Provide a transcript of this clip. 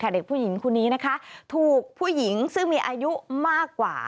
เด็กผู้หญิงคนนี้นะคะถูกผู้หญิงซึ่งมีอายุมากกว่า